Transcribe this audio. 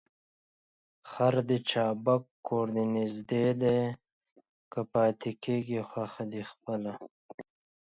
خر دي چابک کور دي نژدې دى ، که پاته کېږې خوښه دي خپله.